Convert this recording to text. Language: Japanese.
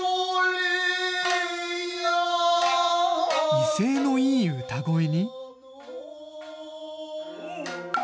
威勢のいい歌声に。